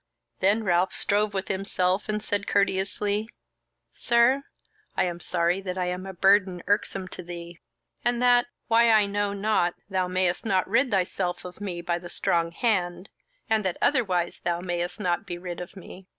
Then Ralph strove with himself, and said courteously: "Sir, I am sorry that I am a burden irksome to thee; and that, why I know not, thou mayst not rid thyself of me by the strong hand, and that otherwise thou mayst not be rid of me.